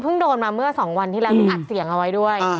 โดนมาเมื่อ๒วันที่แล้วเพิ่งอัดเสียงเอาไว้ด้วย